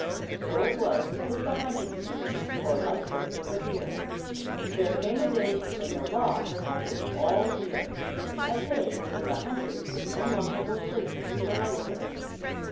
So it was with the hunting season for Lightfoot the Deer. There came a day when the law protected all Deer, a day when the hunters could no longer go searching for Lightfoot.